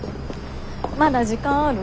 まだ時間ある？